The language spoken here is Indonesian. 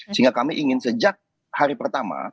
sehingga kami ingin sejak hari pertama